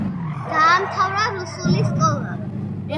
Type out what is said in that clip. დაამთავრა რუსული სკოლა.